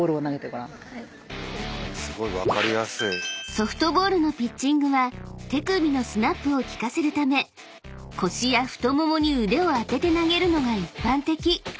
［ソフトボールのピッチングは手首のスナップを効かせるため腰や太ももに腕を当てて投げるのが一般的］